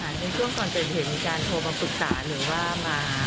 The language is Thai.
ในเวลาก่อนจะเห็นมีการโทรมาปรึกษาหรือว่ามา